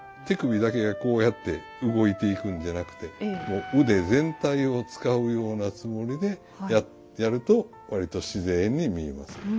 手首だけがこうやって動いていくんじゃなくてもう腕全体を使うようなつもりでやると割と自然に見えます。